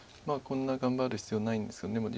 こんな頑張る必要ないんですよね。